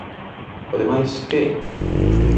O demais ¿que é?